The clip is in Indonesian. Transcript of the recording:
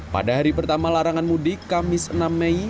pada hari pertama larangan mudik kamis enam mei